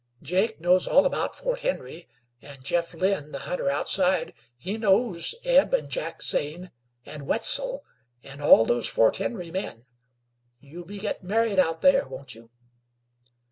Jake knows all about Fort Henry, and Jeff Lynn, the hunter outside, he knows Eb and Jack Zane, and Wetzel, and all those Fort Henry men. You'll be gettin' married out there, won't you?"